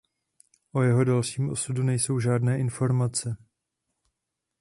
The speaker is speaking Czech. O jeho dalším osudu nejsou žádné informace.